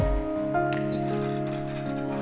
kau harus hidup